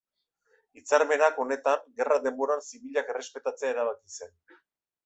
Hitzarmenak honetan, gerra denboran zibilak errespetatzea erabaki zen.